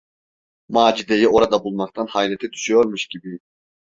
Macide’yi orada bulmaktan hayrete düşüyormuş gibi: